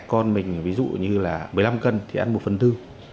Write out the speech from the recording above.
con mình ví dụ như là một mươi năm cân thì ăn một phần thư